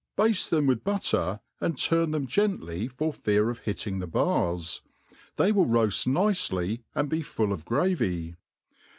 baftQ them with butter, and turn them gently for fear of nitting the bars. They will roaft nicely, and be fulKof gravy.